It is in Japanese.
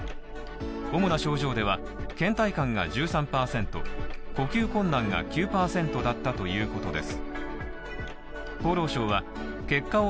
主な症状では、倦怠感が１３％、呼吸困難が９％だったということです。